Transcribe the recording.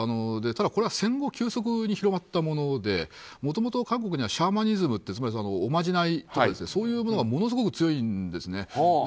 ただ、これは戦後急速に広がったものでもともと韓国にはシャーマニズムっておまじないとかそういうのがものすごく強いんですね。